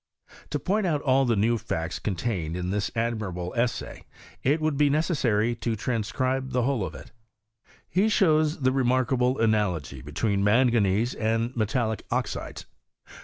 To point out all the new facts contained in this admirable essay, it would be necessary to transcribe the whole of it. He shows the remarkable analogy between manganese and metallic oxides.